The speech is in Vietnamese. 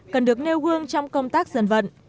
cần được nêu gương trong công tác dân vận